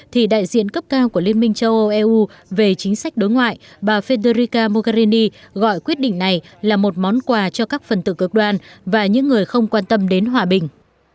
thì đại diện cấp cao của liên minh châu âu eu về chính sách đối ngoại bà federica mogherini gọi quyết định này là một món quà cho các phần tử cực đoan và những người không quan tâm đến hòa bình